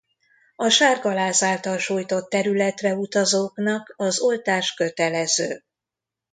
A sárgaláz által sújtott területre utazóknak az oltás kötelező.